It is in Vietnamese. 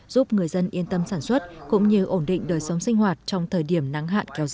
giúp người dân yên tâm sản xuất cũng như ổn định đời sống sinh hoạt trong thời điểm nắng hạn kéo dài